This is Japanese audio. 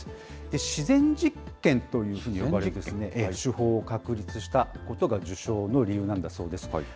自然実験というふうに呼ばれる手法を確立したことが授賞の理由なんだそうです。